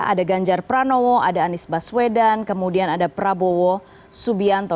ada ganjar pranowo ada anies baswedan kemudian ada prabowo subianto